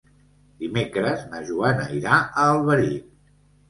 Dimecres na Joana irà a Alberic.